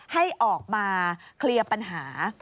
ให้ออกมาเคลียร์ปัญหา